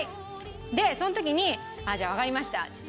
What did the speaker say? でその時にじゃあわかりましたっつって。